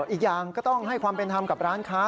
อีกอย่างก็ต้องให้ความเป็นธรรมกับร้านค้า